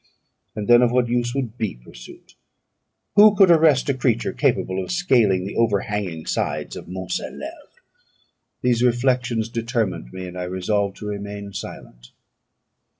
And then of what use would be pursuit? Who could arrest a creature capable of scaling the overhanging sides of Mont Salêve? These reflections determined me, and I resolved to remain silent.